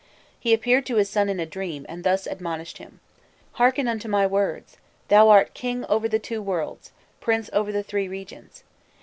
He appeared to his son in a dream, and thus admonished him: "Hearken unto my words! Thou art king over the two worlds, prince over the three regions.